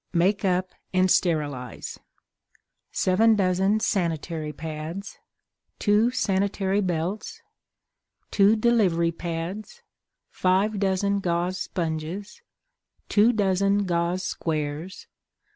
Make up and Sterilize: 7 Dozen Sanitary Pads. 2 Sanitary Belts. 2 Delivery Pads. 5 Dozen Gauze Sponges. 2 Dozen Gauze Squares.